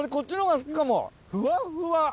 ふわふわ！